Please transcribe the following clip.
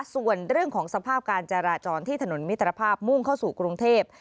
ส่วนเรื่องของสภาพการจราจรที่ถนนมิตรภาพมุ่งเข้าสู่กรุงเทพ